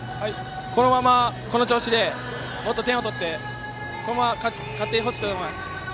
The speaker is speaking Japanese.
このままこの調子でもっと点を取ってこのまま勝ってほしいと思います。